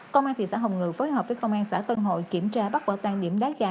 công an thị xã hồng ngự phối hợp với công an xã tân hội kiểm tra bắt quả tang điểm đá gà